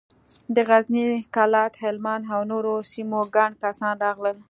له غزني، کلات، هلمند او نورو سيمو ګڼ کسان راغلل.